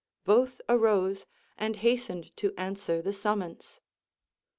Both arose, and hastened to answer the summons.